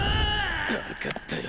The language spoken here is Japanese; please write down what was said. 分かったよ。